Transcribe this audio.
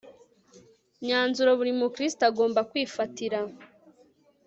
myanzuro buri mukristo agomba kwifatira